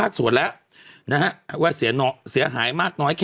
ตราบใดที่ตนยังเป็นนายกอยู่